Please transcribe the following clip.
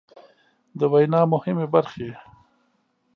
د وينا مهمې برخې